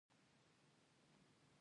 هغه د ځنګل په بڼه د مینې سمبول جوړ کړ.